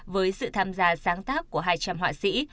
với sự tham gia sáng tác của hai trăm linh họa sĩ